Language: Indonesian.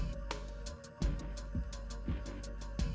sepada tuh artinya siapa yang ada